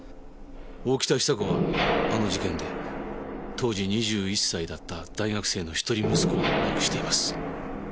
大北比佐子はあの事件で当時２１歳だった大学生の一人息子を亡くしています。